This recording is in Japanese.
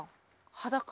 裸？